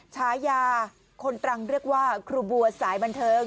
ฉายาคนตรังเรียกว่าครูบัวสายบันเทิง